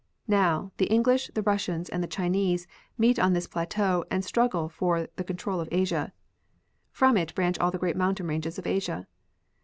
Now, the English, the Russians and the Chinese meet on this plateau and struggle for the con trol of Asia. From it branch all the great mountain ranges of Asia.